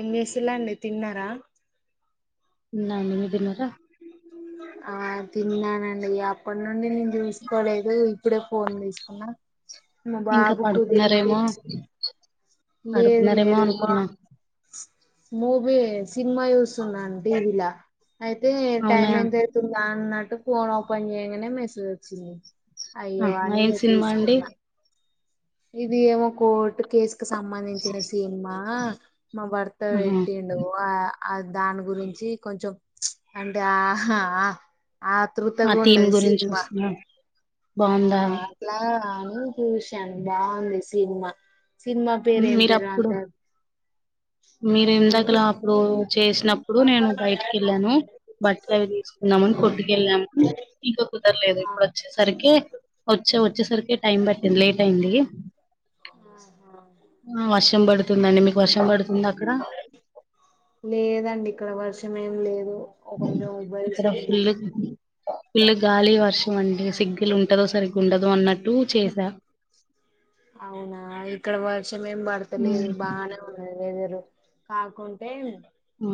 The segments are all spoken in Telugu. ఏం చేసిర్ లండి తిన్నారా హు న్నాను మీరు తిన్నారా ఆ తిన్నానండి అప్పటి నుండి నేను చూసుకోలేదు ఇప్పుడే ఫోన్ తీసుకున్నా మా ఇంకా బాబుకు పడుకున్నారేమో తినిపించి లేదు పడుకున్నారేమో లేదు మా అనుకున్నా మూవీ సినిమా చూస్తున్నాను టీవీలా అయితే అవునా టైమ్ ఎంతైతుందా అన్నట్ ఇటు ఫోన్ ఓపన్ చేయగానే మెసేజ్ వచ్చింది అయ్యో ఆహా అని ఏం ఇగా సినిమా అండి చూసుకున్నా ఇది ఏమో కోర్టు కేసు కి సంబంధించిన సినిమ్మా మా భర్త ఆహా పెట్టిండు ఆ ఆ దాని గురించి కొంచెం అంటే ఆహా ఆ ఆ థీమ్ గురించి చూస్తున్నాం బాగుందా ఆ అట్లా అని చూశాను బాగుంది సి సిన్మా మీరు అప్పుడు మీరు ఉమ్, ఇందాకలా అప్పుడు చేసినప్పుడు నేను బయటికి వెళ్ళాను బట్టలు అవి తీసుకున్నామని కొట్టుకి వేళ్ళాము ఇంకా కుదరలేదు ఆ, ఇప్పుడు వచ్చేసరికి వచ్చే వచ్చేసరికి కే టైమ్ పట్టింది లేట్ అయింది ఆ ఆ వర్షం పడుతు తుందండి మీకు వర్షం పడుతుందా అక్కడ లేదండి ఇక్కడ వర్ష ఏం ఏం లేదు ఓ కొంచెం ఇక్కడ ఉబ్బరిస్తుంది ఫుల్ ఫుల్ గాలి వర్షం అండి సిగ్గుల్ ఉంటదో సరిగ్ ఉండదు అన్నట్టు చేసా అవునా ఇక్కడ వార్ వర్షం ఏం పడతలేదు బానే ఉన్నది వేదురు కాకుంటే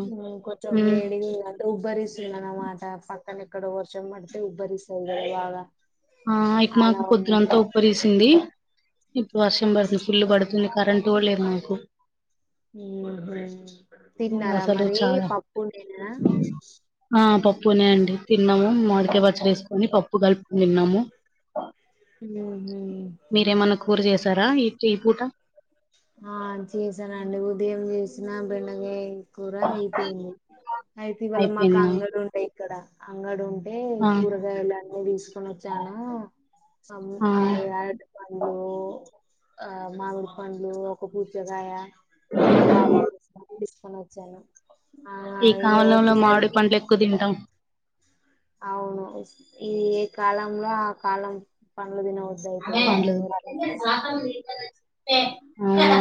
హు కొంచెం ఉమ్ వేడి గుంది అంటే ఉబ్బరిస్తుంది అనమాట పక్ ఎక్కడో వర్షం పడితే ఇబ్బరిసది బాగా ఆ ఇక్ అలా మాకు ఉంది పొద్దున్నత పరిసింది ఇప్పుడు వర్షం పడుతుంది ఫుల్లు పడుతుంది కరెంట్ కూడా లేదు మాకు హ్మ్. తిన్నారా అసలు మరి చాలా పప్పు నేనా ఆ పప్పునే అండి తిన్నాము మడికాయ పచ్చడి వేసుకొని పప్పు కలుపుకో నిన్నాము హ హ సరా నీటి ఈ పూట ఆ బెండగై అయిపోయింది అయితే ఇవాళ మాకు అయిపోయిందా అంగడు ఉంటాయి ఇక్కడ అంగడు అంటే ఆ కూరగాయలు అన్నీ తీసుకొని వచ్చానా ఆ పండ్లు ఆ మామిడి పండు ఒక పూజగాయ మా బాబ సమజన ఈ కాలంలో మామిడి పండ్లు ఎక్కువ తింటాం అవును ఇది ఏ కాలంలో ఆ కాలం ప అదేం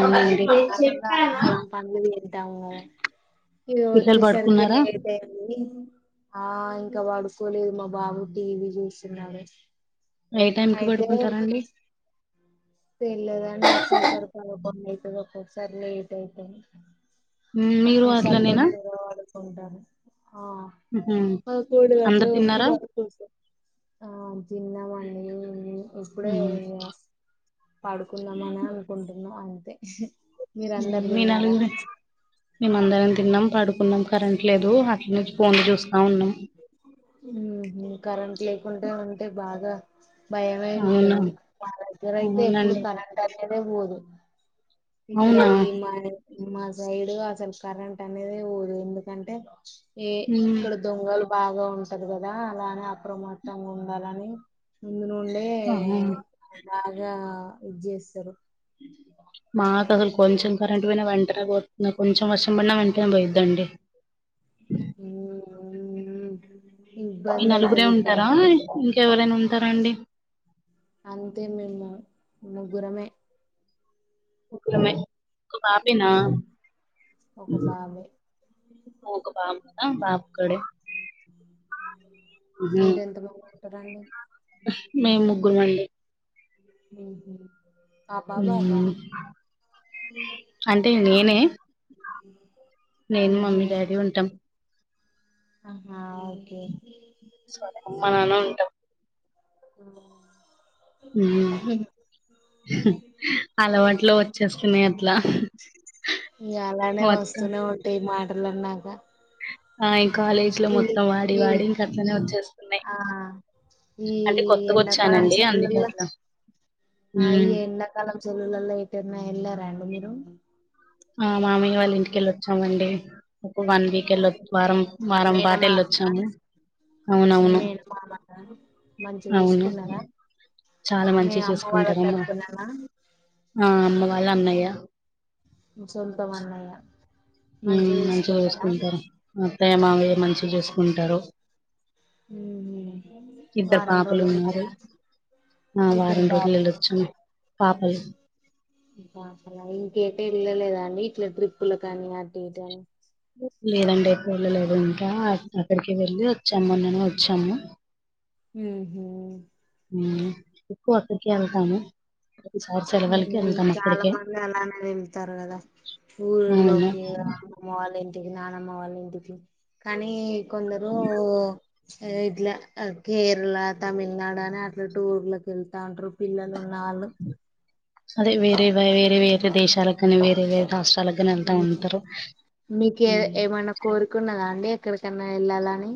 అలా చెప్పావా దామో ఇదిగో వచ్చే సరికి పడుకున్నారా లేట్ అయింది ఆ ఇంకా వాడు చూసుకోలేదు మా బాబు టీవీ చూస్తున్నాడు ఏ టైంకిి అయితే పడుకుంటారండి తెల్లేదండి ఒక్కొసారి క బాంద అవుతుది ఒక్కొక్కసారి లేట్ అయితుంది మీరు అట్ల నేనా ప్పంటను ఆ కూడుగాట్లు అందరు తిన్నారా వన్న మ అ ఇప్పుడే మ్మ్. తిన్న పడుకుందాం అని అనుకుంటున్నాం అంతే మీరందరు మీ తిన్నారా నలుగురే మేమ అందరం తిన్నాం పడు కున్నాం కరెంట్ లేదు అట్ ను ఫోన్ చూస్ కరన్ లేకుంటే ఉంటే బాగా అవునా భయమేంటుంది వాగ్ర అయితే ఎప్పుడు అవునండి కనంట నేనే పోదు ఇక్కడ అవునా ఈ మా మా సైడు అసలు కరెంంటట్ అనేది ఊరు ఎందుకంటే ఏ మ్మ్. ఇక్కడ దొంగలు బాగా ఉంటది కదా అలానే అప్రమత్తంగుండాలని నుండే ఆహా బాగా ఇది చేస్తారు మాకు అసలు కొంచెం కరెంట్ పోయినా వెంటనే పోతుంది కొంచెం వర్షం పడిన వెంటనే పోయిద్దండి ఉ మీ నలుగురే ఉంటారా ఇంకెవరైనా ఉంటార అండి అంతే మేము ముగ్గురమే ముకులమయి ఒక పాపెన ఒక బాబాయ్ ఒక పాప బాబు కూడా మీరెంత మంది ఉంటారండి మే ముగ్గురు మండి హ అంటే నేనే నేను ఉహు మమ్మీ డాడీ ఉంటాం ఆహా ఓకే అమ్మ నాన్న ఉంటాం అ అలవాట్లో వచ్చేస్తున్నాయి అట్లా మత్త తాల్ అన్నాక ఆ కాలేజ్ లో ఈ మొత్తం వాడి ఈ వాడి ఇంక అట్లనే వచ్చేస్తున్నాయి ఆ ఈ అంటే కొత్తగా ఎండకాలం వచ్చానండి అందుకే సెలవల్లో అట్లా ఆ ఈ మ్మ్ ఎండాకాలం సెలవులో అయితేనే ఎలా రండి మీరు ఆ మామయ్య వాళ్ళ ఇంటికెళ్ళొచ్చామండి ఒక వన్ వీక్ వెళ మా వారం వారం పాట మేనమామనా వెళ్ళొచ్చాము మీ అవునవును మేనమామనా మంచిగ అవును చూసుకున్నారా చాలా మీ మంచి అమ్మ వాళ్ళ చూసుకుంటారు అమ్మా తరపుననా ఆ అమ్మ వాళ్ళు అన్నయ్య సొంతం అన్నయ మంచిగా చూసుకుంటారు అత్తయ్య మామయ్య మంచిగా చూసుకుంటారు ఇద్దరు వారం పాపలు రోజులు ఉన్నారు ఉన్నారా ఆ ఇద్దరు వారం రోజులు బాబు వెళ్ళొచ్చు పాప అవు ఇంకా అసలా ఇంకేట వెళ్ళలేదా అండి ఇట్లా ట్రిప్పులు కానీ అట్టు ఇటు కానీ లేదండి ఎకు వెళ్ళలేదు ఇంకా అక్కడికి వెళ్ళి వచ్చాముొ నను వచ్చాము హ హమ్ ఎకు వసకిలతను ఉమ్ చాలా మంది అలానే వెళతారు కదా అవును ఊర్లోకి అమ్మమ్మ వాళ్ళ ఇం ఇంటికి నానమ్మ వాళ్ళ ఇంటికి కానీ కొందరు ఇట్ల కేరళ తమిళనాడు అని అట్లా టూర్ లకి వెళ్తా ఉంటారు పిల్లలు నాలుగు అదే వేరే వేరే వేర దేశాలక వేరే వేరే రాష్ట్రాలకు కాని వెళ్తా ఉంటారు మీకు ఉమ్ ఏమైనా కోరుకున్నదా అండి ఎక్కడికన్నా వెళ్ళాల అని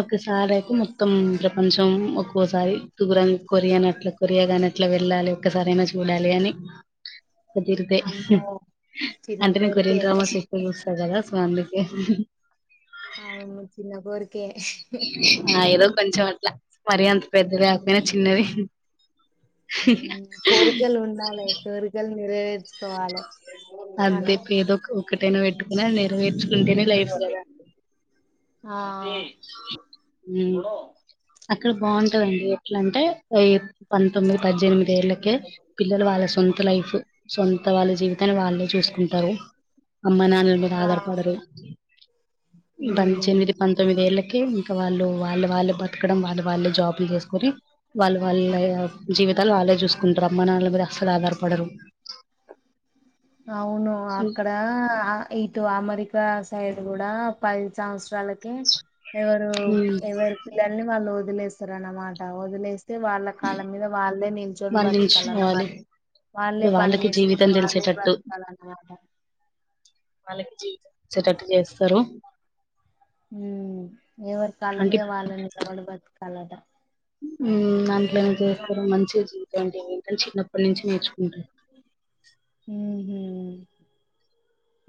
ఒకసారి అయితే మొత్తం ప్రపంచం ఒక్కోసారిగుర కొరియానిట్లా కొరియా కాని అట్లా వెళ్ళాలి ఒక్కసార అయినా చూడాలి అని కుదిరుదే అమ్మో చిన్న అంటే నేను కోరికే కొరియన్ డ్రామాస్ ఎక్కువ చూస్తాారు కదా స్మిలీకి అవును చిన్న కోరికే ఆ ఏదో కొంచెం అట్లా మరిీ అంత పెద్దది లేకపోయినా చిన్నది కోరికల్ ఉండాలే కోరికల్ రే అంతే పదో క వెట్టుకున్నా నరవేచ ఆ ఉ అక్కడ బాగుంటదండి ఎట్ల అంటే పంతొమ్మిది పద్దెనిమిది పీళ్ళకే పిల్లలు వాళ్ళ సొంత లైఫ్ సొంత వాళ్ళ జీవితాన్ని వాళ్ళే చూసుకుంటారు అమ్మ నాన్నల మీద ఆ ఆధారపడరు ఉమ్ ఎనిమిది పంతొమ్మిది ఏళ్ళ ఇంకా వాళ్ళు వాళ్ళు వాళ్ళు బ పెతకడం వాళ్ళు వాళ్ళే జాబ్లు చేసుకొని వాళ్ళు వాళ్ళ జీవితాలు వాళ్ళే చూసుకుంటారు అమ్మా నా వాళ్ళ మీరు అస్సలు ఆధారపడరు అవును అక్కడ ఇటు అమరి సైడ్ కూడా పై సం వాళ్ళకి ఎవరు ఉమ్, ఎవరి పిల్లల్ని వాళ్ళు అదిలే సర అనమాట అదిలే తే వాళ్ళ కాలం మీద వాళ్ళే నిల్చొని వాళ్ళు బతకాల నిల్చుకోవాలి అన్నమాట వాళ్ళే పని వాళ్ళకి చేేసుకుంటూ జీవితం వాళ్ళే తెలిసేటట్టు బత కలా వాళ్ళకి జీవితంట చేస్తారు ఎవరి కాళ్ళ అంటే మీద వాళ్ళని కలవడి బతు అలదా ఉ అంత చేస్తారు మంచి అండికంట చిన్నప్పటి నుంచి నేర్చుకుంట హూ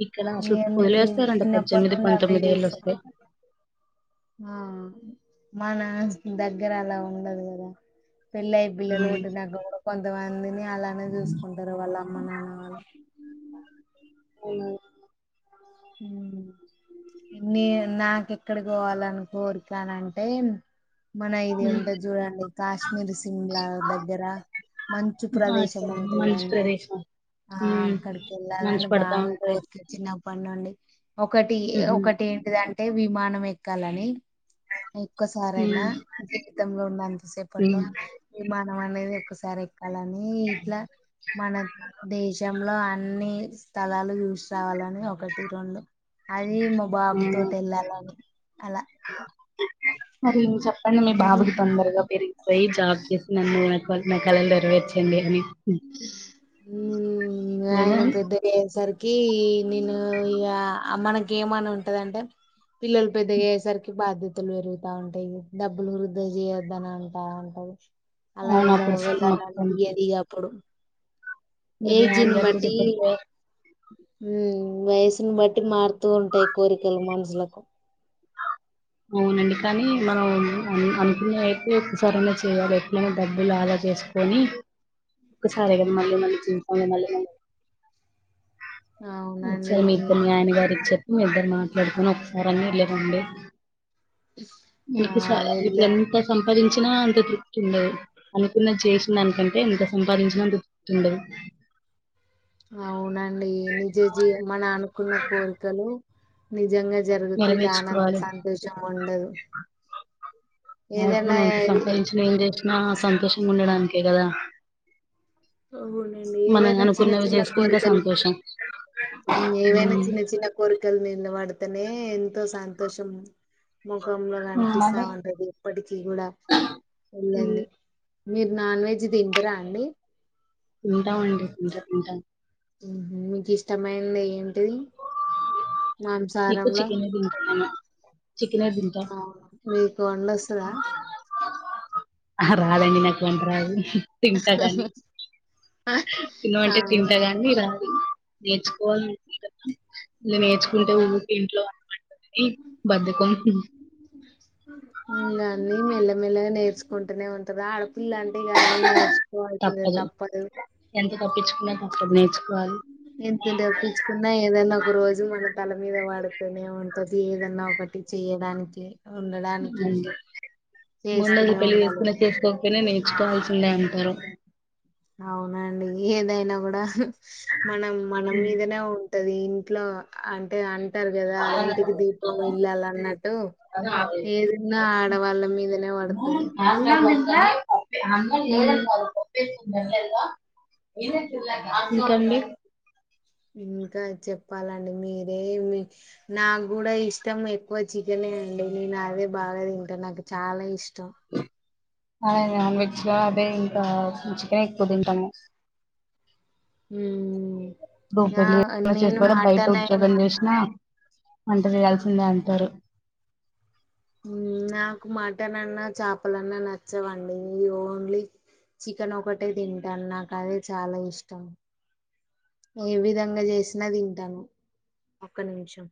ఇక్కడ అసలు వదిలేస్తారంటడి చిన్నప్పటి పద్దెనిమిది నుండి అవే పంతొమ్మిది ఏళ్ళు చూస్తారు వస్తే ఆ మా నాస్ దగ్గర అలా ఉండదు కదా పెళ్ళయ్య పిల్లలు ఉమ్, కొట్టినాక కూడా కొంతమందిని అలానే చూసుకుంటారు వాళ్ళ అమ్మ నాన్న వాళ్ళు అవునా నే నాకుెక్కడి పోవాలని కోరికనంటే మన ఇది ఉమ్. ఉంటుంది చూడండి కాశ్మీర్ సిమ్లా దగ్గర మంచు ఆ ప్రదేశం ఇక్కడ ఉంటాంది మంచు అడి ప్రదేశం ఆ ఉమ్ అక్కడికి మంచు వెళ్ళాలని పడతా బాగా ఉంటది కోర్కొచ్చినప్పు పన్నండి ఒకటి ఉహు ఒకటి ఏంటిదంటే అంటే విమానం ఎక్కాలని ఎక్కువసార అయినా ఉమ్ జీవితంలో ఉండేంతసేపట్లో మా అనం అనేది ఒక్కసారి ఎక్కాలని ఇట్లా మన దేశం అన్ని స్థలాలు చూ సి రావాలని ఒకటి రెంలో అది మా బాబు తోటి వెళ్ళాలని అలా అ మరి చెప్పండి మీ బాబుకి తొందరగా పెరిగి పోయి జాబ్ చేసిన మ కలెండర్ వచ్చిండి అని లేదా ఆయన పెద్ద వేసరికి క నేను ఇ మనకి ఏమని ఉంటదంటే పిల్ల ప పెద గ ససార్కి బాధ్య తులు పెరుగుతా ఉంటాయి డబ్బులు వృద్ధ చేయొద్దని అంటా ఉంటది అలా అవును వెలా అప్పుడు స్ మొత్తం వెళ్ళది ఇప్పుడు మీ ధ్యాన్ ఏజన్ గారితో బట్టి చెప్పకపో ఉ వయసుని బట్టి మారుతూ ఉంటాయి కోరికలు మనుషులకు అవునండి కానీ మనం అనుకున్న అయితే ఒక్కసారనా చేయాలి ఎక్డైనా డబ్బులు ఆదా చేసుకొని ఒసారి మళ్ళ చింపాకు మల్ మ సే అవునండి మీప్పు అనుగారి చె మీ ఇద్దరు మాట్లాడుకొని ఒకసారి అన్నా వెళ్ళి రండి మ ఆ ఇప్పుడుకా వెళ్ళా [unintelligible] సంపాదించినా అంత తృప్తి ఉండదు అనుకున్నది చేసిన దానికంటే ఎంత సంపాదించినా అంత తృప్తిండదు అవునండి నిజ జీ మన అనుకున్న పోలికలు నిజంగా జరుగుతే దానంత నెరవేర్చుకోవాలి సంతోషంగా ఉండదు అన ఏదైనా ఎంత సంపాదించిన ఏం చేసినా సంతోషంగా ఉండడానికి కదా అవునండి మనం ఏవైనా చిన్న అనుకున్నవి చిన్న చేస్తే ఇంకా కోరికలు సంతోషం ఏవైనా ఉమ్, చిన్న చిన్న కోరికలు నిన్న వాడతాను మే ఎంతో సంతోషం ముఖంలో ఉమ్, అదే కనిపిస్తాఉంటది ఇప్పటికీ కూడా ఉమ్, వెళ్ళండి మీరు నాన్ వెజ్ తింటరా అండి తింటాం మండి ఇంట్లో తింటాం మీకు ఇష్టమైంది ఏంటిది ఎక్కువ మాంసాహారంలో చిక్కెన్నే తింటా చికెనే తింటా అవును మీకు [unintelligible] రాదండి నాకు వంట రాదు తింటాదని తిను అంటే అవునా తింటగానీ రాదు నేర్చుకోవాల అనుకుంది కదా ఇలా నేర్చుకుంటే ఊరికే ఇంట్లో వందమంటారు ఏ బద్ధకం ఇంగా అన్ని మెల్లమెల్లగా నేర్చుకుంటూనే ఉంటరా ఆడ ఇల్లు అంటే ఇగ అన్ని చేసుకోవాల్సిందే తప్పదు ఎంత తప్పించుకున్నా తప్పదు నేర్చుకోవాలి ఎంత తప్పించుకున్నా ఏదన్నా ఒక రోజు మన తల మీద వాడుతూనే ఉంటది ఏదన్నా ఒకటి చేయడానికి ఉండడానికి ముందు ఉండి చేస్తూనే పెళ్లి ఉండాలి చేసుకున్న మనం చేసుకోక పోయిన నేర్చు నేర్చుకోవాల్సిందే అంటారు అవునండి ఏదైనా కూడా మనం మన మీదనే ఉంటది ఇంట్లో అంటే అంట అంటారు కదా ఇంటికి దీపం ఇల్లాలు అన్నట్టు ఏది ఉన్నా ఆడవాళ్ళ మీదనే పడతది ప్ప అన్నారు కప్ప ఏ [unintelligible] ఇంకా చెప్పాలండి మీరే నాకు కూడా ఇష్టం ఎక్కువ చికెనే అండి నేను అదే బాగా తింటాను నాకు చాలా ఇష్టం త్త అదే నాన్ వెజ్లో అదే ఇంక కావ్ మేం చికెనే ఎక్కువ తింటాము. ఉమ్ బూమ్ నా పల్లి [unintelligible] నేను చేయకపోవడం బయట మటన్ అయినా ఉద్యోగాలు చేసిన వంట చేయాల్సిందే అంటారు. ఉం నాకు మటన్ అన్నా చేపలన్నా నచ్చవండి ఓన్లీ చికెన్ ఒకటే తింటాను నాకు అదే చాలా ఇష్టం. నువ్వు ఏ విధంగా చేసినా తింటాను ఒక్క నిమిషం